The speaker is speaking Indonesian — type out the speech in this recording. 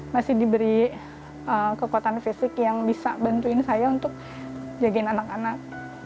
masih diberi kekuatan fisik yang bisa bantuin saya untuk jagain anak anak